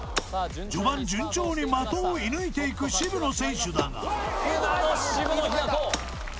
序盤順調に的を射抜いていく渋野選手だが渋野日向子